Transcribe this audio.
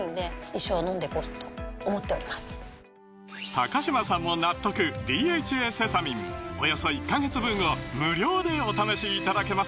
高嶋さんも納得「ＤＨＡセサミン」およそ１カ月分を無料でお試しいただけます